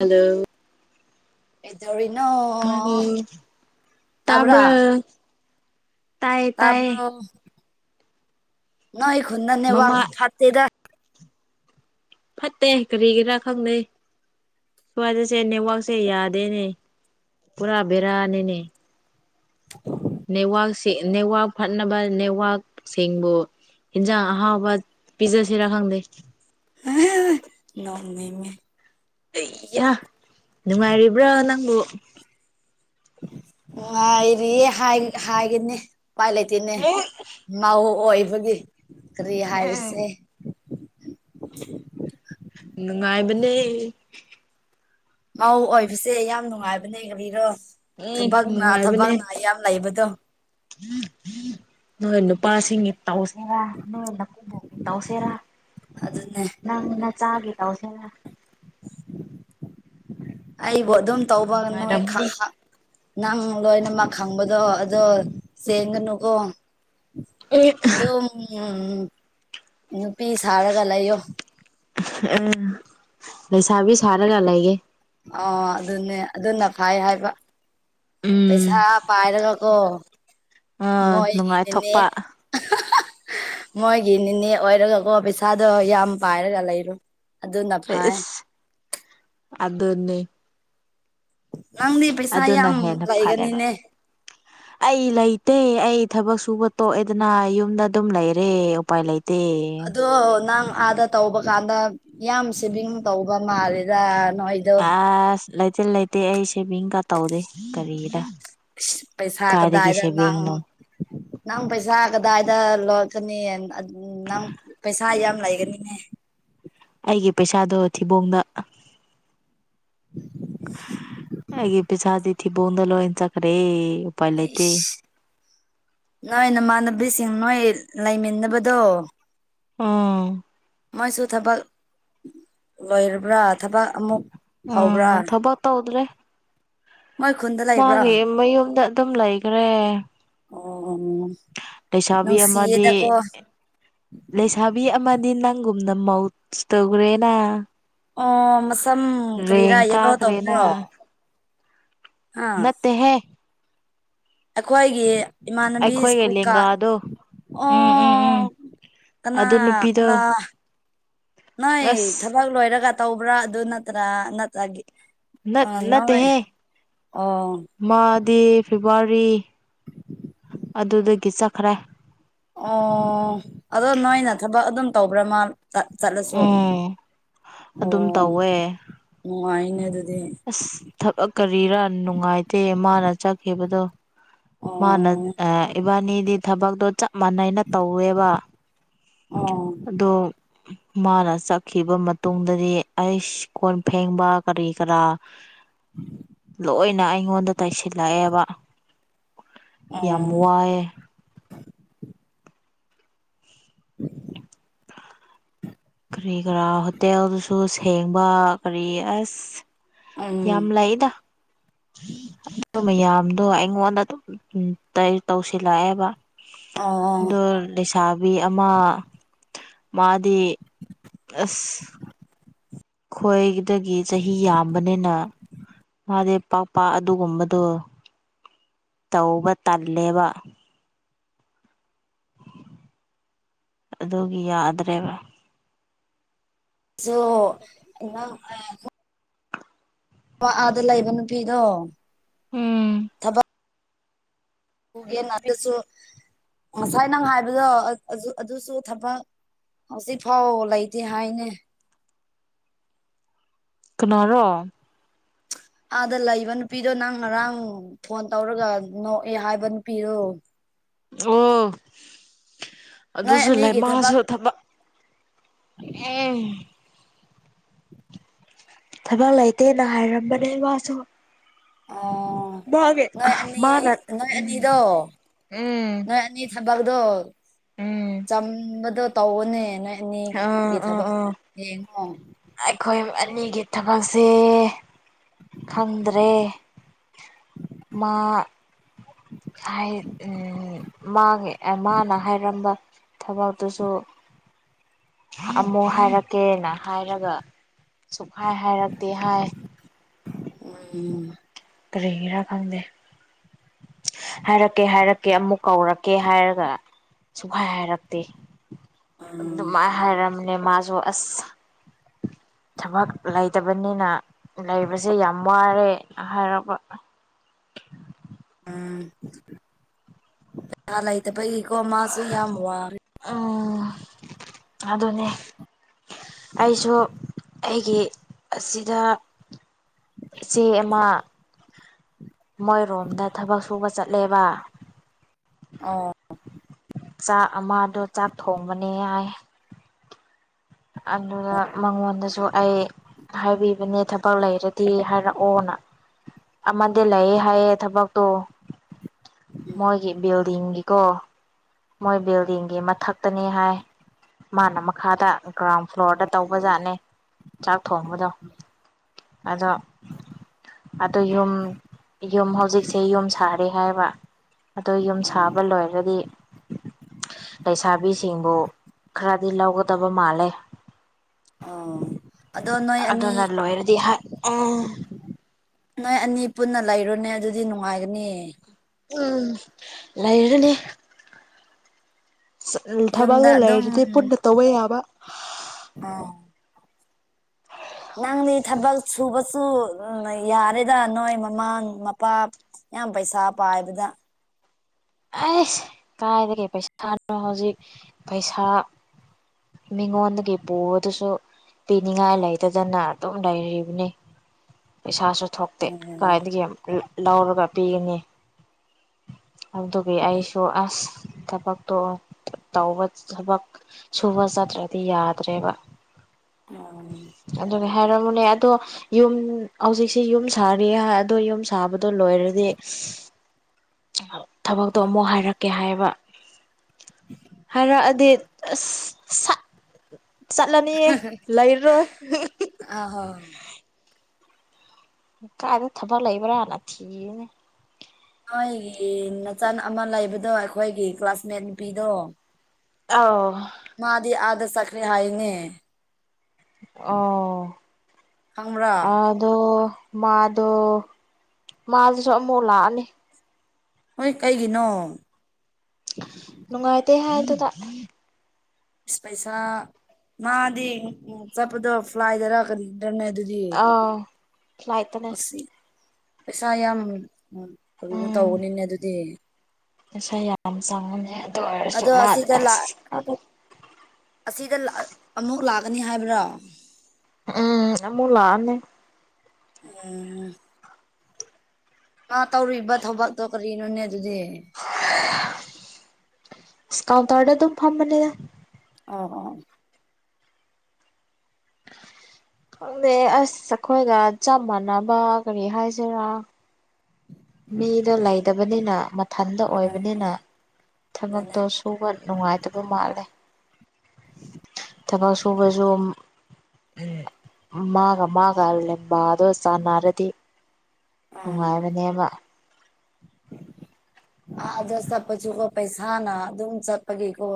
ꯍꯥꯜꯂꯣ ꯀꯩꯗꯧꯔꯤꯅꯣ ꯃꯅꯦ ꯇꯥꯕ꯭ꯔꯥ ꯇꯥꯕꯔꯣ ꯇꯥꯌꯦ ꯇꯥꯌꯦ ꯇꯥꯕ꯭ꯔꯣ ꯅꯣꯏ ꯈꯨꯟꯗꯣ ꯅꯦꯠꯋꯥꯛ ꯃꯃꯥ ꯐꯠꯇꯦꯗ ꯐꯠꯇꯦ ꯀꯔꯤꯒꯤꯔ ꯈꯪꯗꯦ ꯁ꯭ꯋꯥꯏꯗꯁꯦ ꯅꯦꯠꯋꯥꯛꯁꯦ ꯌꯥꯗꯦꯅꯦ ꯄꯨꯔꯥ ꯕꯦꯔꯥꯅꯤꯅꯦ ꯅꯦꯠꯋꯥꯛꯁꯦ ꯅꯦꯠꯋꯥꯛ ꯐꯠꯅꯕ ꯅꯦꯠꯋꯥꯛꯁꯤꯡꯕꯨ ꯏꯟꯖꯥꯡ ꯑꯥꯎꯕ ꯄꯤꯖ ꯁꯤꯔ ꯈꯪꯗꯦ ꯅꯣꯡꯅꯤꯡꯉꯦ ꯍꯩ ꯍꯥ ꯅꯨꯡꯉꯥꯏꯔꯤꯕ꯭ꯔꯥ ꯅꯪꯕꯨ ꯅꯨꯉꯥꯏꯔꯤꯌꯦ ꯍꯥꯏ ꯍꯥꯏꯒꯅꯤ ꯎꯄꯥꯏ ꯂꯩꯇꯦꯅꯦ ꯃꯧ ꯑꯣꯏꯕꯒꯤ ꯀꯔꯤ ꯍꯥꯏꯔꯁꯦ ꯅꯨꯡꯉꯥꯏꯕꯅꯦ ꯃꯧ ꯑꯣꯏꯕꯁꯦ ꯌꯥꯝ ꯅꯨꯡꯉꯥꯏꯕꯅꯦ ꯀꯔꯤꯔꯣ ꯎꯝ ꯊꯕꯛꯅ ꯅꯨꯡꯉꯥꯏꯕꯅꯦ ꯊꯕꯛꯅ ꯌꯥꯝ ꯂꯩꯕꯗꯣ ꯅꯣꯏ ꯅꯨꯄꯥꯥꯁꯤꯡ ꯇꯧꯁꯦꯔꯥ ꯅꯣꯏ ꯅꯀꯨꯕꯣꯛ ꯇꯧꯁꯦꯔꯥ ꯑꯗꯨꯅꯦ ꯅꯪ ꯅꯆꯥꯒꯤ ꯇꯧꯁꯦꯔ ꯑꯩꯕꯨ ꯑꯗꯨꯝ ꯇꯧꯕ ꯅꯣꯏ ꯈꯥ ꯅꯨꯡꯉꯥꯏꯔꯝꯒꯅꯤ ꯍꯥꯥ ꯅꯪ ꯂꯣꯏꯅꯃꯛ ꯈꯪꯕꯗꯣ ꯑꯗꯣ ꯆꯦꯟꯒꯅꯨꯀꯣ ꯑꯦ ꯑꯗꯨꯝ ꯅꯨꯄꯤ ꯁꯥꯔꯒ ꯂꯩꯌꯣ ꯑꯝ ꯂꯩꯁꯥꯕꯤ ꯁꯔꯥꯒ ꯂꯩꯒꯦ ꯑ ꯑꯗꯨꯅꯦ ꯑꯗꯨꯅ ꯄꯥꯝꯃꯤ ꯐꯩ ꯍꯥꯏꯕ ꯄꯩꯁꯥ ꯎꯝ ꯄꯥꯏꯔꯒ ꯀꯣ ꯑ ꯃꯣꯏꯒꯤ ꯗꯤꯅꯦ ꯅꯨꯡꯉꯥꯏꯊꯣꯛꯄ ꯃꯣꯏꯒꯤ ꯅꯤꯅꯦ ꯑꯣꯏꯔꯒꯀꯣ ꯄꯩꯁꯥꯗꯣ ꯌꯥꯝ ꯄꯥꯏꯔꯒ ꯂꯩꯔꯣ ꯑꯗꯨꯅ ꯐꯩ ꯏꯁ ꯑꯗꯨꯅꯤ ꯅꯪꯗꯤ ꯄꯩꯁꯥ ꯑꯗꯨꯅ ꯌꯥꯝ ꯍꯦꯟꯅ ꯐꯔꯦꯕ ꯂꯩꯒꯅꯤꯅꯦ ꯑꯩ ꯂꯩꯇꯦ ꯑꯩ ꯊꯕꯛ ꯁꯨꯕ ꯇꯣꯛꯑꯦꯗꯅ ꯌꯨꯝꯗ ꯑꯗꯨꯝ ꯂꯩꯔꯦ ꯎꯄꯥꯏ ꯂꯩ ꯑꯗꯣ ꯅꯪ ꯑꯥꯗ ꯇꯧꯕ ꯀꯥꯟꯗ ꯌꯥꯝ ꯁꯦꯕꯤꯡ ꯇꯧꯕ ꯃꯥꯜꯂꯦꯗ ꯅꯣꯏ ꯑꯁ ꯂꯩꯇꯦ ꯂꯩꯇꯦ ꯑꯩ ꯁꯦꯚꯤꯡꯒ ꯇꯧꯗꯦ ꯀꯔꯤꯔ ꯄꯩꯁꯥ ꯀꯥꯏꯗꯒꯤ ꯀꯗꯥꯏꯗ ꯅꯪ ꯁꯦꯚꯤꯡꯅꯣ ꯅꯪ ꯄꯩꯁꯥ ꯀꯗꯥꯏꯗ ꯂꯣꯠꯀꯅꯤ ꯎꯝ ꯅꯪ ꯄꯩꯁꯥ ꯌꯥꯝ ꯂꯩꯒꯅꯤꯅꯦ ꯑꯩꯒꯤ ꯄꯩꯁꯥꯗꯣ ꯊꯤꯕꯣꯡꯗ ꯑꯩꯒꯤ ꯄꯩꯁꯥꯗꯤ ꯊꯤꯕꯣꯡꯗ ꯂꯣꯏꯅ ꯆꯠꯈꯔꯦ ꯑꯩꯁ ꯅꯣꯏ ꯅꯃꯥꯟꯅꯕꯤꯁꯤꯡ ꯅꯣꯏ ꯂꯩꯃꯤꯟꯅꯕꯗꯣ ꯑꯝ ꯃꯣꯏꯁꯨ ꯊꯕꯛ ꯂꯣꯏꯔꯕ꯭ꯔꯥ ꯊꯕꯛ ꯑꯃꯨꯛ ꯍꯧꯕ꯭ꯔꯥ ꯑꯝ ꯊꯕꯛ ꯇꯧꯗ꯭ꯔꯦ ꯃꯣꯏ ꯈꯨꯟꯗ ꯂꯩꯕ꯭ꯔꯥ ꯃꯥꯒꯤ ꯃꯌꯨꯝꯗ ꯑꯗꯨꯝ ꯂꯩꯒꯔ꯭ꯦ ꯑꯣ ꯂꯩꯁꯥꯕꯤ ꯑꯃꯗꯤ ꯅꯨꯡꯁꯤꯌꯦꯗꯀꯣ ꯂꯩꯁꯥꯕꯤ ꯑꯃꯗꯤ ꯅꯪꯒꯨꯝꯅ ꯃꯧꯁ ꯇꯧꯒꯔ꯭ꯦꯅ ꯑꯣ ꯃꯁꯝ ꯀꯔꯤꯔꯥ ꯌꯦꯜꯂꯣ ꯇꯧꯕꯔꯣ ꯀꯥꯈ꯭ꯔꯦꯅ ꯅꯠꯇꯦꯍꯦ ꯑꯩꯈꯣꯏꯒꯤ ꯏꯃꯥꯟꯅꯕꯤ ꯑꯩꯈꯣꯏꯒꯤ ꯁ꯭ꯀꯨꯜꯀꯥ ꯂꯦꯡꯒꯥꯗꯣ ꯎꯝ ꯎꯝ ꯎꯝ ꯑꯣ ꯑꯗꯨ ꯅꯨꯄꯤꯗꯣ ꯀꯅꯥꯔ ꯅꯣꯏ ꯑꯁ ꯊꯕꯛ ꯂꯣꯏꯔꯒ ꯇꯧꯕ꯭ꯔꯥ ꯑꯗꯨ ꯅꯠꯇ꯭ꯔꯥ ꯅꯠꯇ꯭ꯔꯒ ꯑ ꯅꯠ ꯅꯣꯏ ꯅꯠꯇꯦꯍꯦ ꯑꯣ ꯃꯥꯗꯤ ꯐꯦꯕꯋꯥꯔꯤ ꯑꯗꯨꯗꯒꯤ ꯆꯠꯈ꯭ꯔꯦ ꯑꯣ ꯑꯗꯣ ꯅꯣꯏꯅ ꯊꯕꯛ ꯑꯗꯨꯝ ꯇꯧꯕ꯭ꯔꯥ ꯃꯥ ꯆꯠꯂꯁꯨ ꯑꯣ ꯑꯗꯨꯝ ꯑꯣ ꯇꯧꯋꯦ ꯅꯨꯡꯉꯥꯏꯅꯦ ꯑꯗꯨꯗꯤ ꯑꯁ ꯊꯕꯛ ꯀꯔꯤꯔ ꯅꯨꯡꯉꯥꯏꯇꯦ ꯃꯥꯅ ꯆꯠ ꯈꯤꯕꯗꯣ ꯃꯥꯅ ꯑꯣ ꯏꯕꯥꯅꯤꯗꯤ ꯊꯕꯛꯇꯣ ꯆꯞ ꯃꯥꯟ ꯅꯩꯅ ꯇꯧꯋꯦꯕ ꯑꯣ ꯑꯗꯣ ꯃꯥꯅ ꯆꯠꯈꯤꯕ ꯃꯇꯨꯡꯗꯗꯤ ꯑꯩꯏꯁ ꯀꯣꯟ ꯐꯦꯡꯕ ꯀꯔꯤ ꯀꯔꯥ [inaudible] ꯂꯣꯏꯅ ꯑꯩꯉꯣꯟꯗ ꯇꯩꯁꯤꯜꯂꯛꯑꯦꯕ ꯌꯥꯝ ꯑꯣ ꯋꯥꯏꯑꯦ [inaudible] ꯀꯔꯤ ꯀꯔꯥ ꯍꯣꯇꯦꯜꯗꯨꯁꯨ ꯁꯦꯡꯕ ꯀꯔꯤ ꯑꯁ ꯌꯥꯝ ꯎꯝ ꯂꯩꯗ [unintelligible] ꯑꯗꯨ ꯃꯌꯥꯝꯗꯣ ꯑꯩꯉꯣꯟꯗ ꯑꯗꯨꯝ ꯇꯩ ꯇꯧꯁꯤꯜꯂꯛꯑꯦꯕ [unintelligible] ꯑꯣ ꯑꯗꯣ ꯂꯩꯁ ꯁꯥꯕꯤ ꯑꯃ ꯃꯥꯗꯤ ꯑꯁ ꯈꯣꯏꯗꯒꯤ ꯆꯍꯤ ꯌꯥꯝꯕꯅꯤꯅ ꯃꯥꯗꯤ ꯄꯥꯛꯄꯥꯛ ꯑꯗꯨꯒꯨꯝꯕꯗꯣ ꯇꯧꯕ ꯇꯜꯂꯦꯕ ꯑꯗꯨꯒꯤ ꯌꯥꯗ꯭ꯔꯦꯕ [unintelligible] ꯋꯥ ꯑꯥꯗ ꯂꯩꯕ ꯅꯨꯄꯤꯗꯣ ꯎꯝ ꯎꯒꯦꯅ ꯑꯗꯨꯁꯨ ꯉꯁꯥꯏ ꯅꯪ ꯍꯥꯏꯕꯗꯣ ꯑꯗꯨ ꯑꯗꯨꯁꯨ ꯊꯕꯛ ꯍꯧꯖꯤꯛꯐꯥꯎ ꯂꯩꯇꯦ ꯍꯥꯏꯅꯦ ꯀꯅꯥꯔꯣ ꯑꯥꯗ ꯂꯩꯕ ꯅꯨꯄꯤꯗꯣ ꯅꯪ ꯉꯔꯥꯡ ꯐꯣꯟ ꯇꯧꯔꯒ ꯅꯣꯛꯑꯦ ꯍꯥꯏꯕ ꯅꯨꯄꯤꯗꯣ ꯑꯣ ꯅꯣꯏ ꯑꯗꯨꯁꯨ ꯂꯩ ꯑꯅꯤꯒꯤ ꯃꯥꯁꯨ ꯊꯕꯛ [unintelligible] ꯑꯦ ꯊꯕꯛ ꯂꯩꯇꯦꯅ ꯍꯥꯏꯔꯝꯕꯅꯦ ꯃꯥꯁꯨ ꯑꯣ ꯃꯥꯒꯤ ꯅꯣꯏ ꯑꯅꯤ ꯃꯥꯅ ꯅꯣꯏ ꯑꯅꯤꯗꯣ ꯎꯝ ꯅꯣꯏ ꯑꯅꯤ ꯅꯤ ꯊꯕꯛꯇꯣ ꯎꯝ ꯆꯝꯕꯗꯣ ꯇꯧꯕꯅꯦ ꯅꯦ ꯑꯅꯤ ꯑꯥ ꯒꯤ ꯑꯥ ꯊꯕꯛ ꯑꯥ ꯌꯦꯡꯉꯣ ꯑꯩꯈꯣꯏ ꯑꯅꯤꯒꯤ ꯊꯕꯛꯁꯦ ꯈꯪꯗ꯭ꯔꯦ ꯃꯥ ꯍꯥꯏ ꯎꯝ ꯃꯥꯒꯤ ꯑꯦ ꯃꯥꯅ ꯍꯥꯏꯔꯝꯕ ꯊꯕꯛꯇꯨꯁꯨ [unintelligible] ꯑꯃꯨꯛ ꯍꯥꯏꯔꯛꯀꯦꯅ ꯍꯥꯏꯔꯒ ꯁꯨꯛꯍꯥꯢ ꯍꯥꯏꯔꯛꯇꯦ ꯍꯥꯏ ꯎꯝ ꯀꯔꯤꯒꯤꯔꯥ ꯈꯪꯗꯦ ꯍꯥꯏꯔꯛꯀꯦ ꯍꯥꯏꯔꯛꯀꯦ ꯑꯃꯨꯛ ꯀꯧꯔꯛꯀꯦ ꯍꯥꯏꯔꯒ ꯁꯨꯡꯍꯥꯏ ꯍꯥꯏꯔꯛꯇꯦ ꯎꯝ ꯑꯗꯨꯃꯥꯏ ꯍꯥꯏꯔꯝꯅꯦ ꯃꯥꯁꯨ ꯑꯁ ꯊꯕꯛ ꯂꯩꯇꯕꯅꯤꯅ ꯂꯩꯕꯁꯦ ꯌꯥꯝ ꯋꯥꯢꯌꯦ ꯍꯥꯏꯔꯛꯄ ꯎꯝ ꯄꯩꯁꯥ ꯂꯩꯇꯕꯩꯀꯣ ꯃꯥꯁꯨ ꯌꯥꯝ ꯋꯥꯔꯦ ꯎꯝ ꯑꯗꯨꯅꯦ ꯑꯩꯁꯨ ꯑꯩꯒꯤ ꯑꯁꯤꯗ ꯏꯆꯦ ꯑꯃ ꯃꯣꯏꯔꯣꯝꯗ ꯊꯕꯛ ꯁꯨꯕ ꯆꯠꯂꯦꯕ ꯑꯣ ꯆꯥꯛ ꯑꯃꯗꯣ ꯆꯥꯛ ꯊꯣꯡꯕꯅꯦ ꯍꯥꯏꯌꯦ ꯑꯗꯨꯒ ꯃꯉꯣꯟꯗꯁꯨ ꯑꯩ ꯍꯥꯏꯕꯤꯕꯅꯤꯗ ꯊꯕꯛ ꯂꯩꯔꯗꯤ ꯍꯥꯏꯔꯛꯑꯣꯅ ꯑꯃꯗꯤ ꯂꯩꯌꯦ ꯍꯥꯏꯌꯦ ꯊꯕꯛꯇꯣ ꯃꯣꯏꯒꯤ ꯕꯤꯜꯗꯤꯡꯒꯤꯀꯣ ꯃꯣꯏ ꯕꯤꯜꯗꯤꯡꯒꯤ ꯃꯊꯛꯇꯅꯤ ꯍꯥꯏ ꯃꯥꯅ ꯃꯈꯥꯗ ꯒ꯭ꯔꯥꯎꯟ ꯐ꯭ꯂꯣꯔꯗ ꯇꯧꯕꯖꯥꯠꯅꯦ ꯆꯥꯛ ꯊꯣꯡꯕꯗꯣ ꯑꯗꯣ ꯑꯗꯣ ꯌꯨꯝ ꯌꯨꯝ ꯍꯧꯖꯤꯛꯁꯦ ꯌꯨꯝ ꯁꯥꯔꯦ ꯌꯦ ꯍꯥꯏꯕ ꯑꯗꯣ ꯌꯨꯝ ꯁꯥꯕ ꯂꯣꯏꯔꯗꯤ ꯂꯩꯁꯥꯕꯤꯁꯤꯡꯕꯨ ꯈꯔꯗꯤ ꯂꯧꯒꯗꯕ ꯃꯥꯜꯂꯦ ꯑꯣ ꯑꯗꯣ ꯅꯣꯏ ꯑꯅꯤ ꯑꯗꯨꯅ ꯂꯣꯏꯔꯗꯤ ꯍꯥꯏ ꯎꯝ ꯅꯣꯏ ꯑꯅꯤ ꯄꯨꯟꯅ ꯂꯩꯔꯨꯅꯦ ꯑꯗꯨꯗꯤ ꯅꯨꯡꯉꯥꯏꯒꯅꯤ ꯎꯝ ꯂꯩꯔꯅꯤ ꯌꯨꯝꯗ ꯊꯕꯛꯅꯣ ꯑꯗꯨꯝ ꯂꯩꯔꯗꯤ ꯄꯨꯟꯅ ꯇꯧꯕ ꯌꯥꯕ ꯑ ꯅꯪꯗꯤ ꯊꯕꯛ ꯁꯨꯕꯁꯨ ꯌꯥꯔꯦꯗ ꯅꯣꯏ ꯃꯃꯥꯡ ꯃꯄꯥ ꯌꯥꯝ ꯄꯩꯁꯥ ꯄꯥꯏꯕꯗ ꯑꯩꯁ ꯀꯥꯏꯗꯒꯦ ꯄꯩꯁꯥꯅꯣ ꯍꯧꯖꯤꯛ ꯄꯩꯁꯥ ꯃꯤꯉꯣꯟꯗꯒꯤ ꯄꯗꯁꯨ ꯄꯤꯅꯤꯡꯉꯥꯏ ꯂꯩꯇꯗꯅ ꯑꯗꯨꯝ ꯂꯩꯔꯤꯕꯅꯤ ꯄꯩꯁꯥꯁꯨ ꯊꯣꯛ ꯇꯦ ꯀꯥꯏꯗꯒꯤ ꯑꯃꯨꯛ ꯂꯧꯔꯒ ꯄꯤꯒꯅꯤ ꯑꯗꯨꯒꯤ ꯑꯩꯁꯨ ꯑꯁ ꯊꯕꯛꯇꯣ ꯇꯧꯕ ꯊꯕꯛ ꯁꯨꯕ ꯆꯠꯇ꯭ꯔꯗꯤ ꯌꯥꯗ꯭ꯔꯦꯕ ꯎ ꯑꯗꯨ ꯍꯥꯏꯔꯝꯃꯣꯅꯦ ꯑꯗꯣ ꯌꯨꯝ ꯍꯧꯖꯤꯛꯁꯤ ꯌꯨꯝ ꯁꯥꯔꯤ ꯑꯗꯣ ꯌꯨꯝ ꯁꯥꯕꯗꯣ ꯂꯣꯏꯔꯗꯤ ꯊꯕꯛꯇꯣ ꯑꯃꯨꯛ ꯍꯥꯏꯔꯛꯀꯦ ꯍꯥꯏꯕ ꯍꯥꯏꯔꯛꯑꯗꯤ ꯑꯁꯠ ꯆꯠꯂꯅꯤꯌꯦ ꯂꯩꯔꯔꯣꯏ ꯑ ꯍꯣꯏ ꯀꯥꯏꯗ ꯊꯕꯛ ꯂꯩꯕ꯭ꯔꯥꯅ ꯊꯤꯅꯦ ꯅꯣꯏꯒꯤ ꯅꯆꯟ ꯑꯃ ꯂꯩꯕꯗꯣ ꯑꯩꯈꯣꯏꯒꯤ ꯀ꯭ꯂꯥꯁꯃꯦꯠ ꯅꯨꯄꯤꯗꯣ ꯑꯥꯎ ꯃꯥꯗꯤ ꯑꯗ ꯆꯠꯈ꯭ꯔꯦ ꯍꯥꯏꯅꯦ ꯑꯣ ꯈꯪꯕ꯭ꯔꯥ ꯑ ꯑꯗꯣ ꯃꯥꯗꯣ ꯃꯥꯗꯨꯁꯨ ꯑꯃꯨꯛ ꯂꯥꯛꯑꯅꯤ ꯍꯣꯏ ꯀꯩꯒꯤꯅꯣ ꯅꯨꯡꯉꯥꯏꯇꯦ ꯍꯥꯏꯗꯨꯗ ꯄꯩꯁꯥ ꯃꯥꯗꯤ ꯎ ꯆꯠꯄꯗꯣ ꯐ꯭ꯂꯥꯏꯗꯔ ꯀꯔꯤ ꯏꯟꯇꯔꯅꯦꯠ ꯑꯗꯨꯗꯤ ꯑꯨ ꯐ꯭ꯂꯥꯏꯇꯅꯦ ꯁꯤ ꯄꯩꯁꯥ ꯌꯥꯝ ꯀꯅꯣ ꯎꯝ ꯇꯧꯕꯅꯤꯅꯦ ꯑꯗꯨꯗꯤ ꯄꯩꯁꯥ ꯌꯥꯝ ꯆꯪꯉꯝꯃꯦ ꯑꯗꯨ ꯑꯣꯏꯔꯁꯨ ꯑꯗꯣ ꯃꯥꯗ ꯑꯁꯤꯗ ꯑꯁ ꯑꯁꯤꯗ ꯑꯃꯨꯛ ꯂꯥꯛꯀꯅꯤ ꯍꯥꯏꯕ꯭ꯔꯣ ꯎꯝ ꯃꯨꯂꯥꯅꯦ ꯎꯝ ꯃꯥ ꯇꯧꯔꯨꯏꯕ ꯊꯕꯛꯇꯣ ꯀꯔꯤꯅꯣꯅꯦ ꯑꯗꯨꯗꯤ ꯁꯀꯥꯎꯟꯇꯗ ꯑꯗꯨꯝ ꯐꯝꯕꯅꯦꯗ ꯑ ꯑ ꯈꯪꯗꯦ ꯑꯁ ꯑꯩꯈꯣꯏꯒ ꯆꯞ ꯃꯥꯟꯅꯕ ꯀꯔꯤ ꯍꯥꯏꯁꯤꯔꯥ ꯃꯤꯗꯣ ꯂꯩꯇꯕꯅꯤꯅ ꯃꯊꯟꯗ ꯑꯣꯏꯕꯅꯤꯅ ꯑꯗꯨꯅꯦ ꯊꯕꯛꯇꯣ ꯁꯨꯕ ꯅꯨꯡꯉꯥꯏꯇꯕ ꯃꯥꯜꯂꯦ ꯊꯕꯛ ꯁꯨꯕꯁꯨ ꯎꯝ ꯃꯥꯒ ꯃꯥꯒ ꯂꯕꯥ ꯑꯗꯣ ꯁꯥꯟꯅꯔꯗꯤ ꯎꯝ ꯅꯨꯡꯉꯥꯏꯕꯅꯦꯕ ꯑꯥꯗꯁ ꯆꯄ ꯀꯣ ꯄꯩꯁꯅ ꯑꯗꯨꯝ ꯆꯠꯄꯒꯤ ꯀꯣ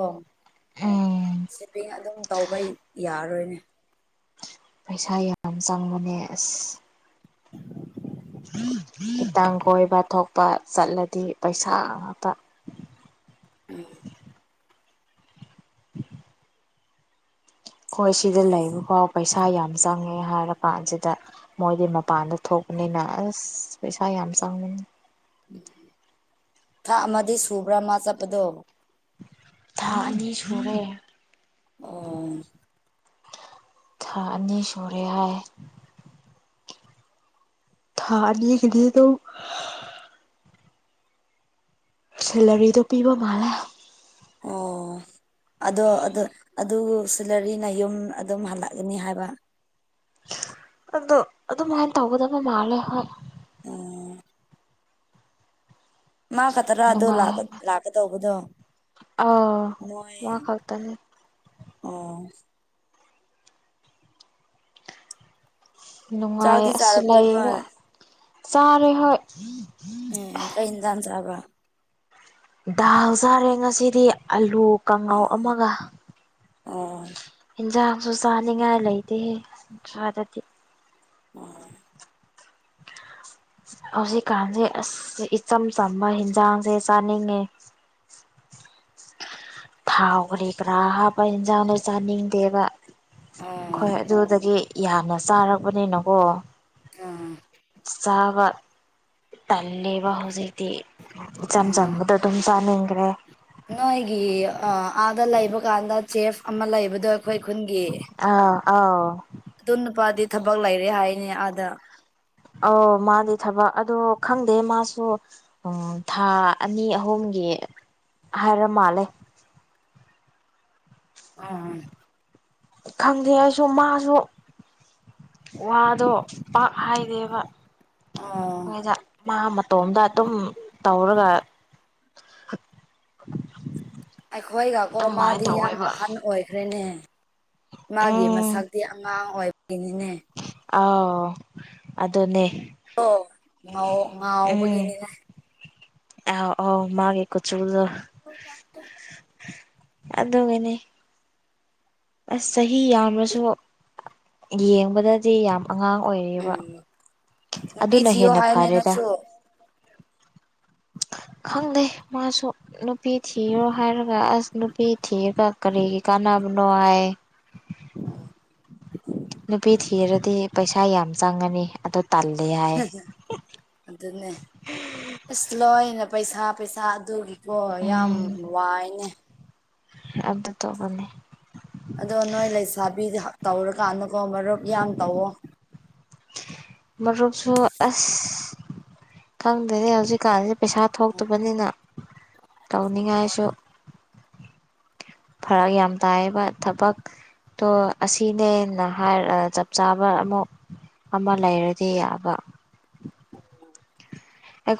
ꯎꯝ ꯁꯚꯤꯡ ꯑꯗꯨꯝ ꯇꯧꯕ ꯌꯥꯔꯣꯏꯅꯦ ꯄꯩꯁꯥ ꯌꯥꯝ ꯆꯪꯕꯅꯦ ꯑꯁ ꯉꯍꯛꯇꯪ ꯀꯣꯏꯕ ꯊꯣꯛꯄ ꯆꯠꯂꯗꯤ ꯄꯩꯁꯥ ꯉꯥꯛꯇ ꯎꯝ [inaudible] ꯑꯩꯈꯣꯏ ꯁꯤꯗ ꯂꯩꯕ ꯐꯥꯎ ꯄꯩꯁꯥ ꯌꯥꯝ ꯆꯪꯉꯦ ꯍꯥꯏꯔ ꯀꯥꯟꯁꯤꯗ ꯃꯣꯏꯗꯤ ꯃꯄꯥꯟꯗ ꯊꯣꯛꯄꯅꯤꯅ ꯑꯁ ꯄꯩꯁꯥ ꯌꯥꯝ ꯆꯪꯕꯅꯤ ꯎꯝ ꯊꯥꯛ ꯑꯃꯗꯤ ꯁꯨꯕ꯭ꯔꯥ ꯃꯥ ꯆꯠꯄꯗꯣ꯫ ꯊꯥ ꯑꯅꯤ ꯁꯨꯔꯦ꯫ ꯑꯣ꯫ ꯊꯥ ꯑꯅꯤ ꯁꯨꯔꯦ ꯍꯥꯏ꯫ ꯊꯥ ꯑꯅꯤ ꯒꯤꯗꯤ ꯗꯨꯝ__ ꯁꯦꯂꯔꯤꯗꯣ ꯄꯤꯕ ꯃꯥꯜꯂꯦ꯫ ꯑꯣ꯫ ꯑꯗꯣ ꯑꯗꯨ ꯑꯗꯨ ꯁꯂꯔꯤꯅ ꯌꯨꯝ ꯑꯗꯨꯝ ꯍꯜꯂꯛꯑꯅꯤ ꯍꯥꯏꯕ꯫ ꯑꯗꯣ ꯑꯗꯨꯃꯍꯥꯏꯅ ꯇꯧꯒꯗꯕ ꯃꯥꯜꯂꯦ ꯍꯣꯏ꯫ ꯎ꯫ ꯃꯥ ꯈꯛꯇ꯭ꯔꯥ ꯑꯗꯨꯗꯣ ꯅꯨꯡꯉꯥꯏ ꯂꯥꯛꯀꯗꯧꯕꯗꯣ ꯑꯥ ꯃꯣꯏ__ ꯃꯥ ꯈꯛꯇꯅꯤ ꯑꯣ꯫ ꯅꯨꯡꯉꯥꯏ ꯆꯥꯛꯗꯤ ꯑꯁꯨ ꯆꯥꯔꯕ꯭ꯔꯥ ꯂꯩꯌꯦꯒ ꯅꯣꯏ ꯆꯥꯔꯦ ꯍꯣꯏ꯫ ꯑꯦ ꯀꯩ ꯍꯤꯡꯖꯥꯡ ꯆ꯭ꯔꯕ꯫ ꯗꯥꯜ ꯆꯥꯔꯦ ꯉꯁꯤꯗꯤ ꯑꯂꯨ__ ꯀꯥꯡꯉꯥꯎ ꯑꯃꯒ ꯑꯣ ꯌꯦꯟꯖꯥꯡ__ ꯁꯨ ꯆꯥꯅꯤꯡꯉꯥꯏ ꯂꯩꯇꯦ ꯑꯗꯨꯗꯗꯤ꯫ ꯑꯣ ꯍꯧꯖꯤꯛꯀꯥꯟꯁꯦ ꯑꯁ ꯏꯆꯝ ꯆꯝꯕ ꯍꯟꯖꯥꯡꯁꯦ ꯆꯥꯅꯤꯡꯉꯦ꯫ ꯊꯥꯎꯈ꯭ꯔꯦ ꯈꯔꯥ ꯍꯥꯞꯄ ꯏꯟꯁꯥꯡꯗꯣ ꯆꯥꯅꯤꯡꯗꯦꯕ꯫ ꯍꯣꯏ ꯑꯗꯨꯗꯒꯤ ꯌꯥꯝꯅ ꯆꯥꯛꯔꯕꯅꯤꯅꯀꯣ꯫ ꯑ ꯆꯥꯕ__ ꯇꯂꯦꯕ ꯍꯧꯖꯤꯦꯗꯤ ꯆꯝ ꯆꯝꯕꯗ ꯊꯝ ꯆꯅꯤꯒ꯭ꯔꯦ꯫ ꯅꯣꯏꯒꯤ ꯑꯥꯗ ꯂꯩꯕ ꯀꯥꯟꯗ ꯆꯦꯐ ꯑꯃ ꯂꯩꯕꯗ__ ꯑꯩꯈꯣꯏ ꯈꯨꯟꯒꯤ ꯑꯥ ꯑꯥꯎ ꯑꯗꯨ ꯅꯨꯄꯥꯗꯤ ꯊꯕꯛ ꯂꯩꯔꯦ ꯍꯥꯏꯅꯤ ꯑꯥꯗ꯫ ꯑ ꯃꯥꯗꯤ ꯊꯕꯛ ꯑꯗꯣ ꯈꯪꯗꯦ ꯃꯥꯁꯨ__ ꯎꯝ ꯊꯥ ꯑꯅꯤ ꯑꯍꯨꯝꯒꯤ ꯍꯥꯏꯔ ꯃꯥꯜꯂꯦ꯫ ꯑꯍꯨꯝ ꯈꯪꯗꯦ ꯑꯩꯁꯨ ꯃꯥꯁꯨ꯫ ꯋꯥꯗꯣ ꯄꯥꯛ ꯍꯥꯏꯗꯦꯕ ꯑꯣ ꯃꯤꯗꯥ꯫ ꯃꯥ ꯃꯇꯣꯝꯗ ꯑꯗꯨꯝ ꯇꯧꯔꯒ__ [unintelligible] ꯑꯩꯈꯣꯏꯒꯀꯣ ꯃꯥꯗꯤ ꯌꯥꯝ ꯑꯍꯟ ꯑꯣꯏꯈ꯭ꯔꯦꯅꯦ꯫ ꯃꯥꯒꯤ ꯃꯁꯛꯇꯤ ꯑꯉꯥꯡ ꯑꯣꯏꯕꯒꯤꯅꯤꯅꯦ꯫ ꯑ ꯑꯗꯨꯗꯅꯦ꯫ ꯑꯣ ꯉꯥꯎ ꯉꯥꯎꯕꯒꯤꯅꯤꯅꯦ꯫ ꯑ ꯑ ꯃꯥꯒꯦ ꯀꯨꯆꯨꯗꯣ ꯑꯗꯨꯗꯒꯅꯦ ꯑꯁ ꯆꯍꯤ ꯌꯥꯝꯂꯁꯨ ꯌꯦꯡꯕꯗꯗꯤ ꯌꯥꯝ__ ꯑꯉꯥꯡ ꯑꯣꯏꯔꯤꯕ ꯎꯝ ꯅꯨꯄꯤ ꯑꯗꯨꯅ ꯊꯤꯌꯣ ꯍꯦꯟꯅ ꯍꯥꯏꯌꯨꯅꯦ ꯐꯔꯦꯗ꯫ ꯅꯣꯏꯁꯨ ꯈꯪꯗꯦ ꯃꯥꯁꯨ ꯅꯨꯄꯤ ꯊꯤꯔꯣ ꯍꯥꯏꯔꯒ ꯑꯁ ꯅꯨꯄꯤ ꯊꯤꯔꯒ ꯀꯔꯤꯒꯤ ꯀꯥꯟꯅꯕ꯫ ꯅꯥꯏ ꯅꯨꯄꯤ ꯊꯤꯔꯗꯤ ꯄꯩꯁꯥ ꯌꯥꯝ ꯆꯪꯉꯅꯤ ꯑꯗꯨ__ ꯇꯜꯂꯦ ꯍꯥꯏ ꯑꯗꯨꯅꯦ ꯑꯁ ꯂꯣꯏꯅ ꯄꯩꯁꯥ ꯄꯩꯁꯥ ꯑꯗꯨꯒꯤ__ ꯍꯣꯏ ꯌꯥꯝ ꯎꯝ ꯋꯥꯏꯅꯦ꯫ ꯑꯗꯨ ꯇꯣꯕꯅꯦ꯫ ꯑꯗꯣ ꯅꯣꯏ ꯂꯩꯁꯥꯕꯤ ꯇꯧꯔꯀꯥꯟꯗꯀꯣ ꯃꯔꯨꯞ ꯌꯥꯝ ꯇꯧꯋꯣ꯫ ꯃꯔꯨꯞꯁꯨ ꯑꯁ ꯈꯪꯗꯦ ꯍꯧꯖꯤꯛꯀꯥꯟꯁꯦ ꯄꯩꯁꯥ ꯊꯣꯛꯇꯕꯅꯤꯅ ꯇꯧꯅꯤꯡꯉꯥꯏꯁꯨ ꯐꯔꯛ ꯌꯥꯝ ꯇꯥꯏꯕ ꯊꯕꯛ ꯑꯣ ꯑꯁꯤꯅꯦꯅ ꯍꯥꯏ ꯆꯞ ꯆꯥꯕ ꯑꯃꯨꯛ ꯑꯃ ꯂꯩꯔꯗꯤ ꯌꯥꯕ ꯑꯩꯈꯣꯏ